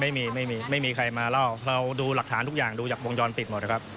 ไม่มีไม่มีไม่มีใครมาเล่าเราดูหลักฐานทุกอย่างดูจากวงจรปิดหมดนะครับ